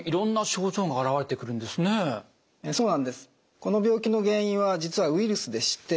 この病気の原因は実はウイルスでして。